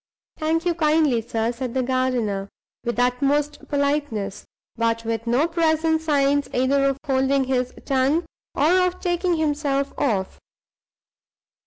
"Thank you kindly, sir," said the gardener, with the utmost politeness, but with no present signs either of holding his tongue or of taking himself off.